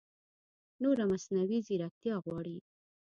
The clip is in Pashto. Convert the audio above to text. نوره مصنعوي ځېرکتیا غواړي